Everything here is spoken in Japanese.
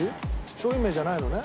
商品名じゃないのね？